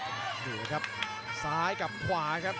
ดูเลยครับซ้ายกับขวาครับ